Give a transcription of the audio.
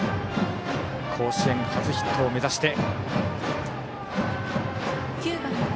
甲子園初ヒットを目指して。